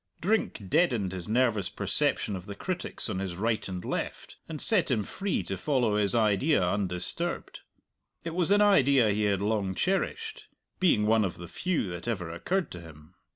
Drink deadened his nervous perception of the critics on his right and left, and set him free to follow his idea undisturbed. It was an idea he had long cherished being one of the few that ever occurred to him.